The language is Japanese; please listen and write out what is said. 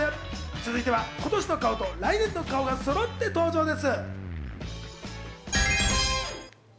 続いては今年の顔と来年の顔がそろって登場です。